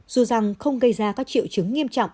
dù rằng không gây ra các triệu chứng nghiêm trọng